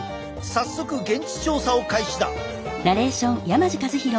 早速現地調査を開始だ。